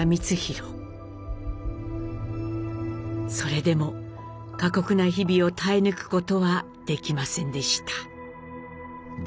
それでも過酷な日々を耐え抜くことはできませんでした。